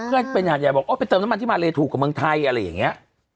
เพื่อนเป็นหาดใหญ่บอกไปเติมน้ำมันที่มาเลถูกกับเมืองไทยอะไรอย่างนี้